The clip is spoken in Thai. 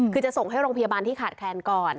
คือจะส่งให้โรงพยาบาลที่ขาดแคลนก่อน